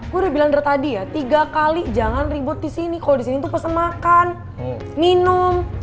gua udah bilang dari tadi ya tiga kali jangan ribut disini kalo disini tuh pesen makan minum